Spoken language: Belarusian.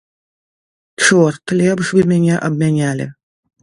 Чорт, лепш бы мяне абмянялі.